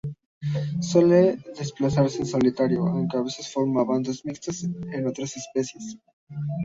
Suele desplazarse en solitario, aunque a veces forma bandos mixtos con otras especies.